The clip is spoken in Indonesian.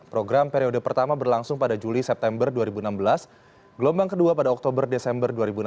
program periode pertama berlangsung pada juli september dua ribu enam belas gelombang kedua pada oktober desember dua ribu enam belas